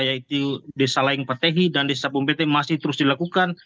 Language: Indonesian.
yaitu desa laingpatehi dan desa pungpente masih terus dilakukan